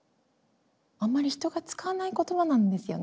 あんまり人が使わない言葉なんですよね。